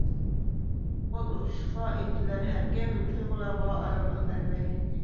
قول ئۇزىتىشقا ئىنتىلەر ھەر كىم، تۇيغۇلارغا ئاراملىق بەرمەي.